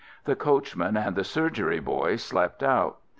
The coachman and the surgery boy slept out.